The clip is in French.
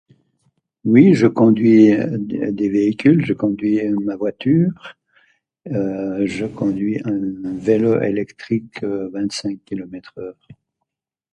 Oui je conduis des véhicules. Je conduis ma voiture. Je conduis un vélo électrique 25 kilomètres heure.